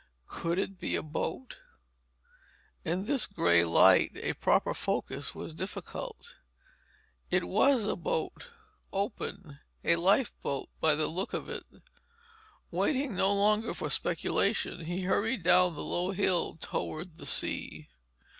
Could it be a boat? In this gray light a proper focus was difficult. It was a boat, open; a lifeboat, by the look of it. Waiting no longer for speculation, he hurried down the low hill toward the sea.